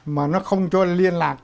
mà nó không cho liên lạc